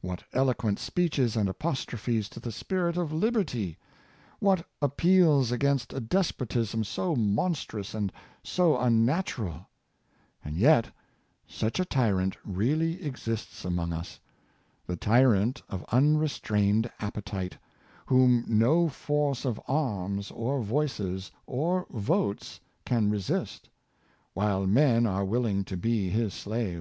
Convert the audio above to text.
What eloquent speeches and apostrophes to the spirit of liberty! — what appeals against a despotism so mon strous and so unnatural ! And yet such a tyrant really exists among us — the tyrant of unrestrained appetite, whom no force of arms, or voices, or votes can resist, while men are willing to be his slaves.